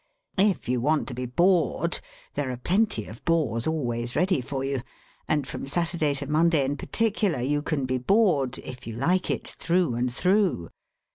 If you want to be bored, there are plenty of bores always ready for you, and from Saturday to Monday in particular, you can be bored (if you like it) through and through.